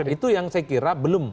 itu yang saya kira belum